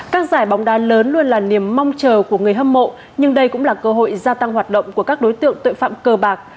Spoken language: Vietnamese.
các giải bóng đá lớn luôn là niềm mong chờ của người hâm mộ nhưng đây cũng là cơ hội gia tăng hoạt động của các đối tượng tội phạm cờ bạc